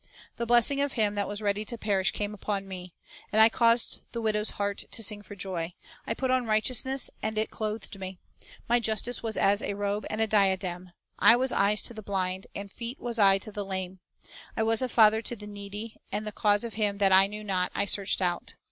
"The blessing of him that was ready to perish came upon me; And I caused the widow's heart to sing for joy. I put on righteousness, and it clothed me; My justice was as a robe and a diadem. I was eyes to the blind, And feet was I to the lame. I was a father to the needy; And the cause of him that I knew not I searched out."